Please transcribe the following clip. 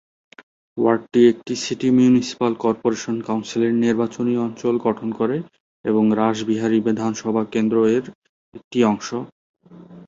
ওয়ার্ডটি একটি city municipal corporation কাউন্সিলের নির্বাচনী অঞ্চল গঠন করে এবং রাসবিহারী বিধানসভা কেন্দ্র এর একটি অংশ।